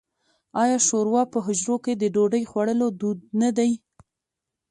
آیا شوروا په حجرو کې د ډوډۍ خوړلو دود نه دی؟